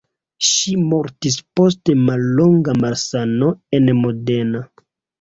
Ŝi mortis post mallonga malsano en Modena.